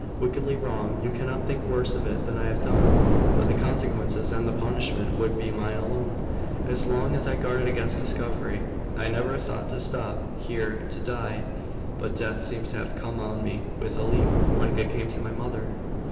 "Wickedly wrong. You cannot think worse of it than I have done. But the consequences and the punishment would be mine alone, as long as I guarded against discovery. I never thought to stop here to die; but death seems to have come on me with a leap, like it came to my mother."